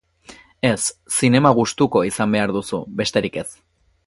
Ez, zinema gustuko izan behar duzu, besterik ez.